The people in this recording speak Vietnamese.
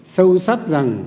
sâu sắc rằng